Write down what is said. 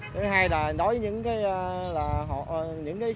thứ hai là đối với những